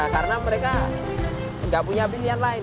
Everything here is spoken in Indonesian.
karena mereka tidak punya pilihan lain